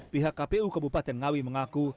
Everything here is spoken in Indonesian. pihak kpu kabupaten ngawi mengaku